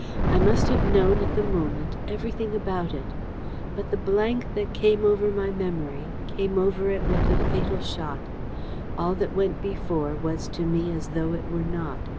I must have known at the moment everything about it. But the blank that came over my memory, came over it with the fatal shot. All that went before, was to me as though it were not.